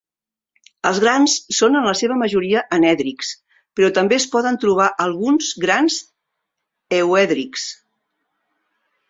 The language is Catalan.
Els grans són en la seva majoria anèdrics, però també es poden trobar alguns grans euèdrics.